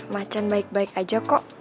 macan baik baik aja kok